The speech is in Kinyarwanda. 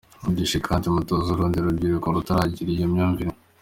Mwigishe kandi mutoze urundi rubyiruko rutaragira iyo myumvire.